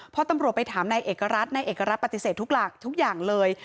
พอตำรวจไปถามนายเอกรัฐปฏิเสธทุกอย่างเลย